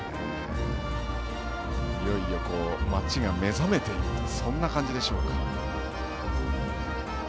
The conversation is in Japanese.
いよいよ、街が目覚めていくそんな感じでしょうか。